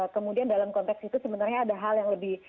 kemudian dalam konteks itu sebenarnya ada hal yang lebih